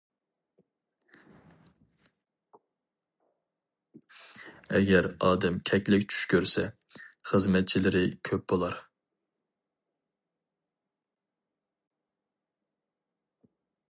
ئەگەر ئادەم كەكلىك چۈش كۆرسە، خىزمەتچىلىرى كۆپ بولار.